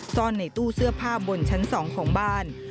ซ่อนในตู้เสื้อผ้าบนชั้น๒ของบ้าน